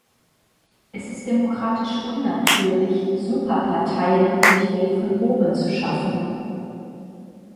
Es ist demokratisch unnatürlich, "Superparteien" durch Geld von oben zu schaffen.